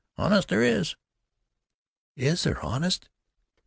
"Honest there is." "Is there, honest?"